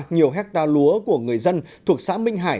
nhiều hectare lúa của người dân thuộc xã minh hải